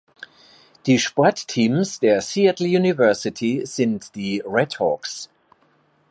Die Sportteams der Seattle University sind die "Redhawks".